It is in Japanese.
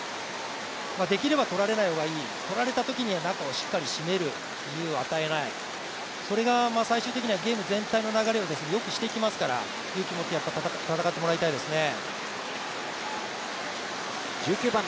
できれば取られない方がいい、取られたときには中をしっかり締める、それが最終的にはゲーム全体の流れをよくしていきますから勇気を持って戦ってもらいたいですね。